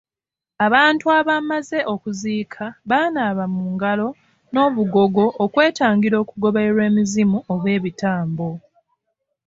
Abantu abamaze okuziika banaaba mu ngalo n'obugogo okwetangira okugobererwa emizimu oba ebitambo.